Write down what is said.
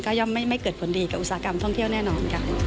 ก็ย่อมไม่เกิดผลดีกับอุตสาหกรรมท่องเที่ยวแน่นอนค่ะ